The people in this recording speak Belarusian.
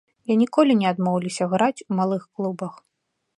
Я ніколі не адмоўлюся граць у малых клубах.